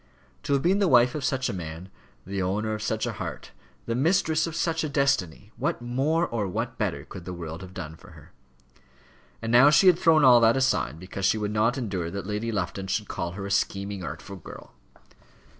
To have been the wife of such a man, the owner of such a heart, the mistress of such a destiny what more or what better could the world have done for her? And now she had thrown all that aside because she would not endure that Lady Lufton should call her a scheming, artful girl!